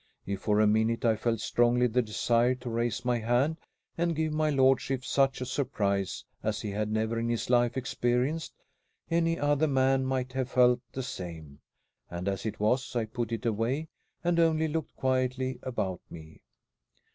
If for a minute I felt strongly the desire to raise my hand and give my lordship such a surprise as he had never in his life experienced, any other man might have felt the same; and as it was I put it away and only looked quietly about me.